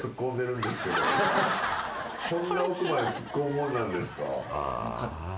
そんな奥まで突っ込むもんなんですか？